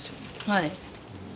はい。